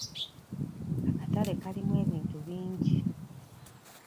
Akatale kalimu ebintu bingi.